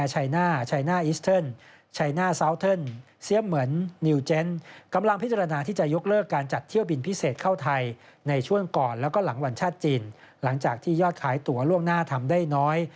หลังจากที่ยอดขายตัวล่วงหน้าทำได้น้อย